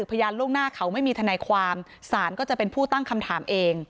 ล่วงหน้าเขาไม่มีทนายความศาลก็จะเป็นผู้ตั้งคำถามเอง